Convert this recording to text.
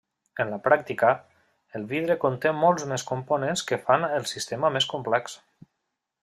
En la pràctica, el vidre conté molts més components que fan el sistema més complex.